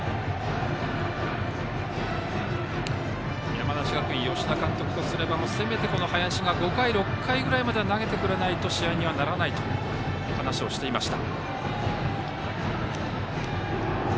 山梨学院、吉田監督とすればせめて林が５回、６回ぐらいは投げてくれないと試合にはならないと話をしていました。